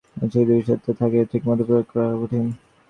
এই শক্তি বিক্ষিপ্ত অবস্থায় থাকে এবং ঠিকমতো প্রয়োগ করা কঠিন।